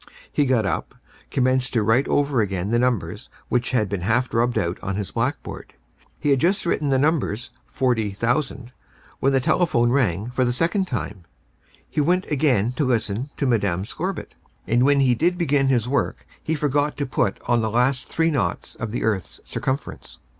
He got up, commenced to write over again the numbers which had been half rubbed out on his blackboard. He had just written the numbers 40,000 when the telephone rang for the second time. He went again to listen to Mme. Scorbitt, and when he did begin his work he forgot to put on the last three naughts of the earth's circumference.